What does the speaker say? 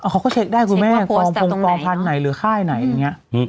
เขาก็เช็คได้คุณแม่ความพงษ์ตรงไหนหรือค่ายไหนอย่างนี้